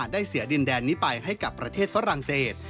ได้เสียดินแดนนี้ไปให้กับประเทศฝรั่งเศส